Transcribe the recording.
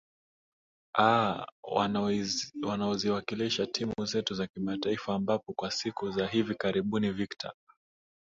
aa wanaoziwakilisha timu zetu za kimataifa ambapo kwa siku za hivi karibuni victor